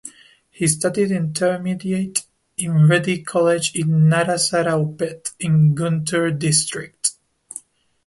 He studied Intermediate in Reddy College in Narasaraopet in Guntur district.